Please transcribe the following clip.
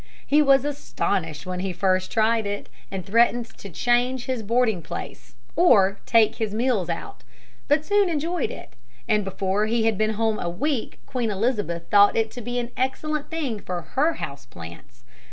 [Illustration: RALEIGH'S ASTONISHMENT.] He was astonished when he tried it first, and threatened to change his boarding place or take his meals out, but soon enjoyed it, and before he had been home a week Queen Elizabeth thought it to be an excellent thing for her house plants.